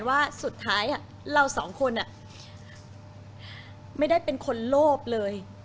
ว่าสุดท้ายเราสองคนไม่ได้เป็นคนโลภเลย